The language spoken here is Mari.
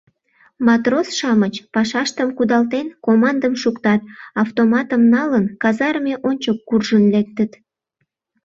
Матрос-шамыч, пашаштым кудалтен, командым шуктат, автоматым налын, казарме ончык куржын лектыт.